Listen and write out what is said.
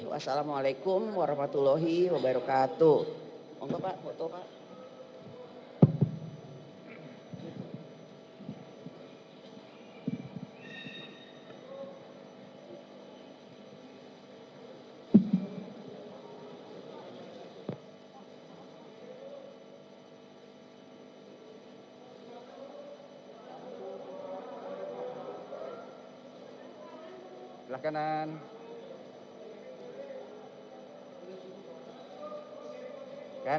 wassalamu'alaikum warahmatullahi wabarakatuh